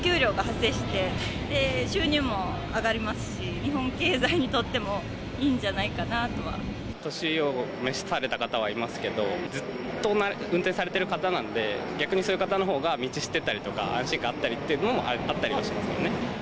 お給料が発生して、収入も上がりますし、日本経済にとってもいいお年を召された方はいますけど、ずっと運転されてる方なので、逆にそういう方のほうが道知ってたりとか安心感あったりっていうのもあったりはしますよね。